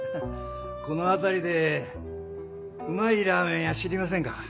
この辺りでうまいラーメン屋知りませんか？